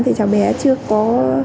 thì cháu bé chưa có